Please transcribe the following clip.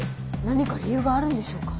何か理由があるんでしょうか？